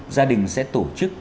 gia đình sẽ tổ chức